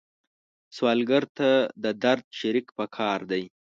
سوالګر ته د درد شریک پکار دی